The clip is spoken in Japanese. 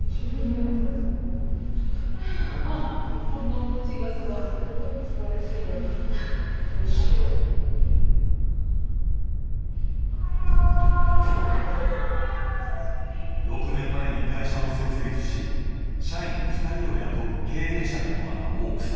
おはよう。６年前に会社を設立し社員２人を雇う経営者でもある大草。